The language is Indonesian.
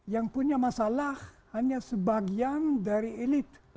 yang punya masalah hanya sebagian dari elit